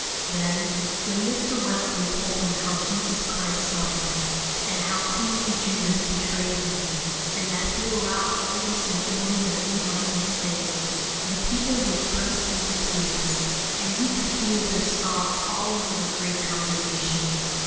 Then, when Mr. Wesley told them how Jesus Christ suffered, and how cruelly Judas betrayed Him, and that He allowed all this in order that we might be saved, the people would burst into tears, and you could hear their sobs all over the great congregation.